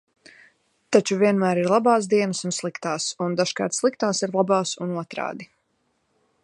Taču vienmēr ir labās dienas un sliktās, un dažkārt sliktās ir labās un otrādi.